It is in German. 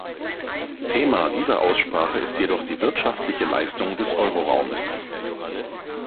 Thema dieser Aussprache ist jedoch die wirtschaftliche Leistung des Euroraumes.